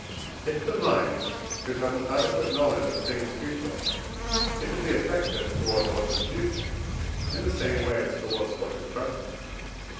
If the mind could have an adequate knowledge of things future, it would be affected towards what is future in the same way as towards what is present (IV.